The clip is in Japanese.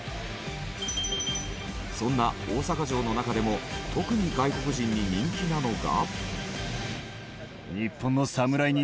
そんな大阪城の中でも特に外国人に人気なのが。